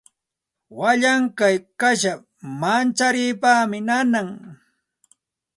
Wallankuy kasha mancharipaqmi nanan.